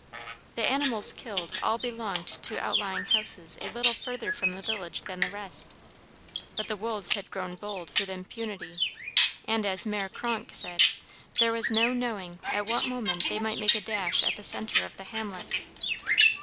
The animals killed all belonged to outlying houses a little further from the village than the rest; but the wolves had grown bold with impunity, and, as Mère Kronk said, there was no knowing at what moment they might make a dash at the centre of the hamlet.